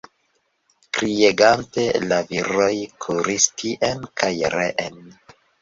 Kriegante, la viroj kuris tien kaj reen.